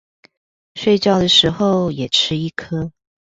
睡覺的時候也吃一顆